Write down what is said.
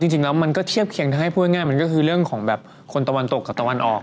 จริงแล้วมันก็เทียบเคียงถ้าให้พูดง่ายมันก็คือเรื่องของแบบคนตะวันตกกับตะวันออก